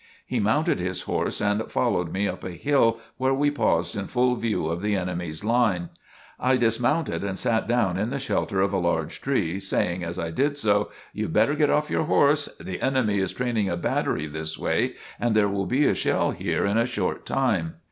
He mounted his horse and followed me up a hill where we paused in full view of the enemy's line. I dismounted and sat down in the shelter of a large tree, saying as I did so: "You better get off your horse! The enemy is training a battery this way and there will be a shell here in a short time!"